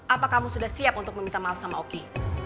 apa kamu sudah siap untuk meminta maaf sama oki